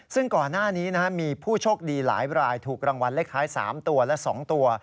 ซึ่งก่อนหน้านี้มีผู้โชคดีหลายรายถูกรางวัลเลขท้าย๓ตัวและ๒ตัว